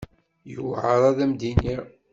Yewɛeṛ ad am-d-iniɣ.